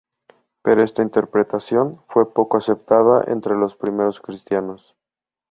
Pero esta interpretación fue poco aceptada entre los primeros cristianos.